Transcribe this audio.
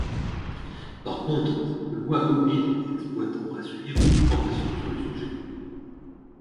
Par contre, cette loi oblige les exploitants à suivre une formation sur le sujet.